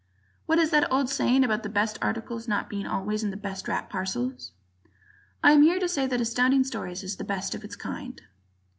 What is that old saying about the best articles not being always in the best wrapped parcels? I am here to say that Astounding Stories is the best of its kind.